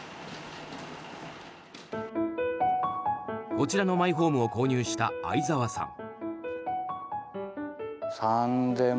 こちらのマイホームを購入した相澤さん。